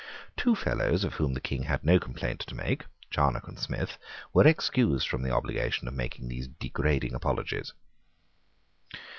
Two Fellows of whom the King had no complaint to make, Charnock and Smith, were excused from the obligation of making these degrading apologies.